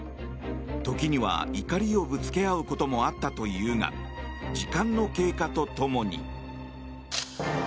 時には怒りをぶつけ合うこともあったというが時間の経過と共に。